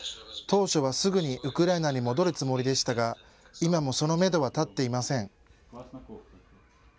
当初はすぐにウクライナに戻るつもりでしたが今もそのめどは立っていません。